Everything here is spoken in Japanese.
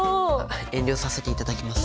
遠慮させていただきます。